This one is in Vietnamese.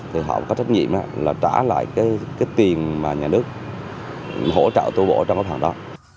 thì họ có trách nhiệm là trả lại cái tiền mà nhà nước hỗ trợ tu bổ trong cái phần đó